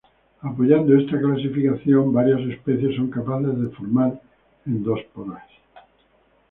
Apoyando esta clasificación, varias especies son capaces de formar endosporas.